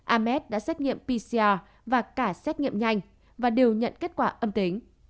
ames đã xét nghiệm pcr và cả xét nghiệm nhanh và đều nhận kết quả âm tính